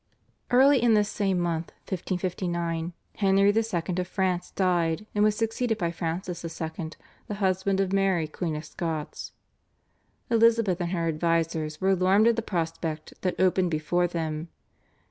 Early in this same month (1559) Henry II. of France died, and was succeeded by Francis II., the husband of Mary Queen of Scots. Elizabeth and her advisers were alarmed at the prospect that opened before them.